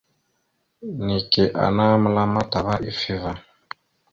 Neke ana məlam ataha ava ifevá.